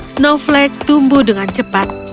snowflake tumbuh dengan cepat